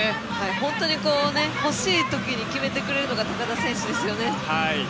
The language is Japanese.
本当に欲しいときに決めてくれるのが高田選手ですよね。